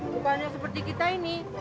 bukannya seperti kita ini